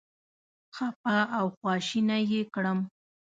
خپه او خواشینی یې کړم.